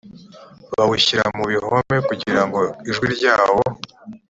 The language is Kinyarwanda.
bawushyira mu bihome kugira ngo ijwi ryawo